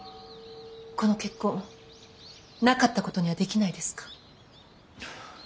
この結婚なかったことにはできないですか。